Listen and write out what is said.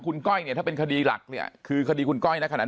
คุณก้อยเนี่ยถ้าเป็นคดีหลักเนี่ยคือคดีคุณก้อยนะขนาด